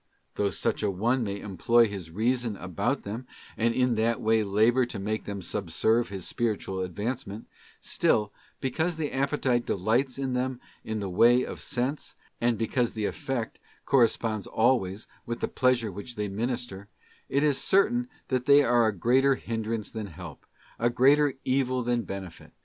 Though such an one may employ his Reason about them, and in that way labour to make them subserve his spiritual advancement ; still, because the appetite delights in them in the way of sense, and because the effect corresponds always with the pleasure which they minister, it is certain that they area greater hindrance than help, a greater evil than benefit.